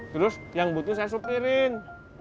terus yang butuh saya supirin